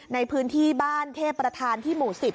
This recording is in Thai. ในพื้นที่บ้านเทพประธานที่หมู่๑๐